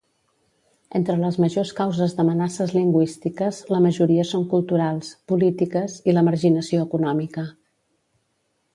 Entre les majors causes d'amenaces lingüístiques la majoria són culturals, polítiques i la marginació econòmica.